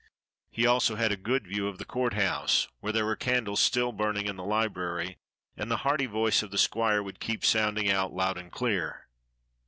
He also had a good view of the Court House, where there were candles still burning in the library, and the hearty voice of the squire would keep sounding out loud and clear.